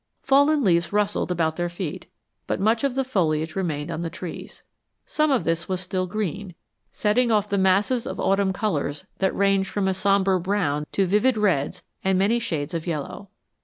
Fallen leaves rustled about their feet, but much of the foliage remained on the trees. Some of this was still green, setting off the masses of autumn colors that ranged from a sombre brown to vivid reds and many shades of yellow.